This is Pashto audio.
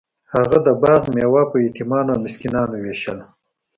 هغه د باغ میوه په یتیمانو او مسکینانو ویشله.